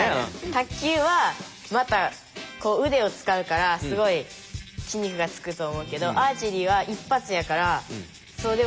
卓球はまたこう腕を使うからすごい筋肉がつくと思うけどアーチェリーは一発やからそうでもないかなと。